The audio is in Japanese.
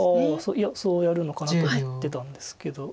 いやそうやるのかなと思ってたんですけど。